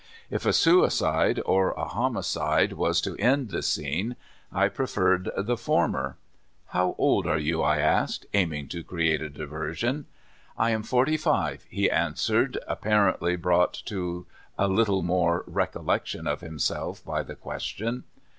If a suicide or a homicide was to end the scene, I pre ferred the former. " How old are you?" I asked, aiming to create a diversion. *' I am forty five," he answered, apparently brought to a little more recollection of himself by the question.